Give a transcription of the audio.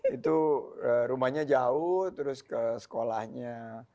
itu rumahnya jauh terus ke sekolahnya